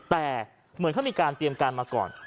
แต่เหมือนเขามีการเตรียมการมาก่อน